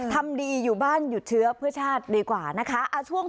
ทำดีอยู่บ้านหยุดเชื้อเพื่อชาติดีกว่านะคะ